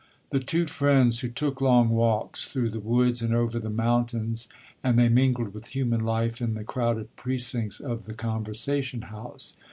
The two friends took long walks through the woods and over the mountains, and they mingled with human life in the crowded precincts of the Conversation house.